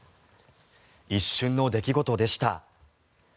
一瞬の出来事でした。